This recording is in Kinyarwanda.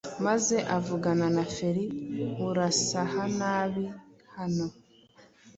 maze avugana na feri Urasahanabi hano